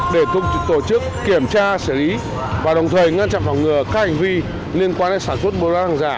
để tổ chức kiểm tra xử lý và đồng thời ngăn chặn phòng ngừa các hành vi liên quan đến sản xuất mua bán hàng giả